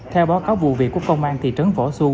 theo báo cáo vụ việc của công an thị trấn võ xuân